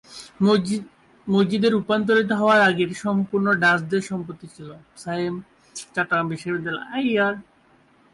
মসজিদে রূপান্তরিত হওয়ার আগে এটি সম্পূর্ণ ডাচদের সম্পত্তি ছিল।